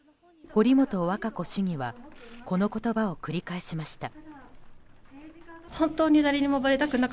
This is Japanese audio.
堀本和歌子市議はこの言葉を繰り返しました。